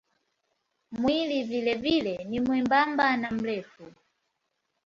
Mwili vilevile ni mwembamba na mrefu.